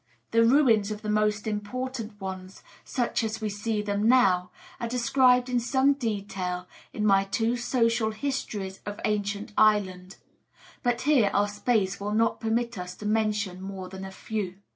The ruins of the most important ones such as we see them now are described in some detail in my two Social Histories of Ancient Ireland; but here our space will not permit us to mention more than a few.